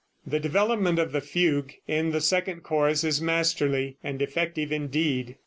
The development of the fugue in the second chorus is masterly and effective indeed.